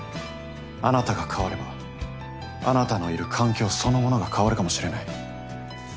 あなたが変わればあなたのいる環境そのものが変わるかもしれない。